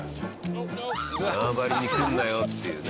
縄張りに来るなよっていうね。